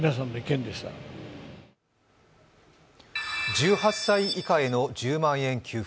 １８歳以下への１０万円給付。